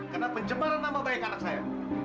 karena pencemaran nama baik anak saya